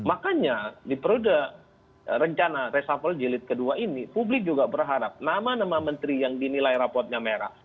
makanya di perudah rencana resafal jelit kedua ini publik juga berharap nama nama menteri yang dinilai rapotnya merah